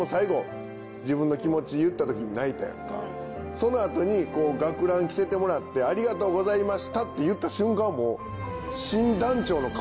その後に学ラン着せてもらって「ありがとうございました！」って言った瞬間もう。